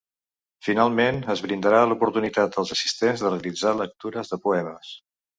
Finalment, es brindarà l’oportunitat als assistents de realitzar lectures de poemes.